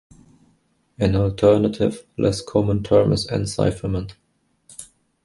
An alternative, less common term is "encipherment".